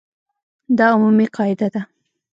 دا عمومي قاعده ده.